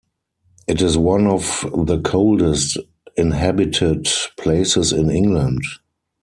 It is one of the coldest inhabited places in England.